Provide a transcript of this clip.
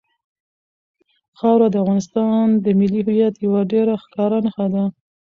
خاوره د افغانستان د ملي هویت یوه ډېره ښکاره نښه ده.